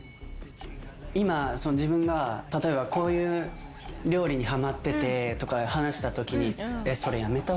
今自分が例えばこういう料理にはまっててとか話したときに。